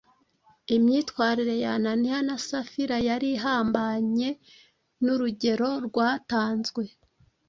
Imyitwarire ya Ananiya na Safira yari ihabanye n’urugero rwatanzwe